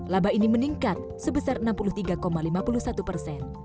laba ini meningkat sebesar enam puluh tiga lima puluh satu persen